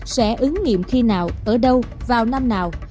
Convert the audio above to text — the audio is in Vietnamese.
sẽ ứng nghiệm khi nào ở đâu vào năm nào